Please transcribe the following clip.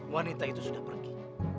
wanita itu sudah pergi